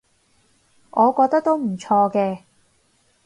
我覺得都唔錯嘅